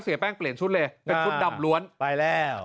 เสียแป้งเปลี่ยนชุดเลยเป็นชุดดำล้วนไปแล้ว